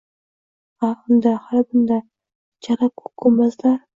Hali unda, hali bunda, chala ko‘k gumbazlar